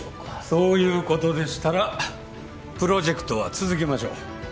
そういうことでしたらプロジェクトは続けましょう。